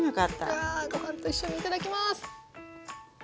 うわあご飯と一緒にいただきます！